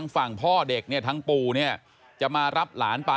อย่าอย่าอย่าอย่าอย่าอย่าอย่าอย่าอย่าอย่าอย่า